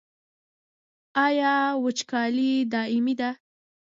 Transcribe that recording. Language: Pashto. آیا وچکالي دایمي ده؟